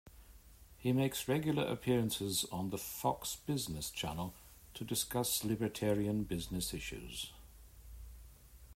He makes regular appearances on the Fox Business Channel to discuss libertarian business issues.